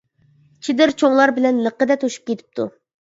چېدىر چوڭلار بىلەن لىققىدە توشۇپ كېتىپتۇ.